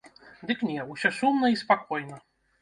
Дык не, усё сумна і спакойна.